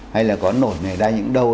hay là có nổi này ra những đâu